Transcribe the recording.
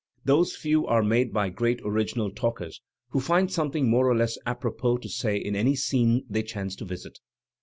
Those few are made by great original talkers who find something more or less apropos to say in any scene they chance to visit.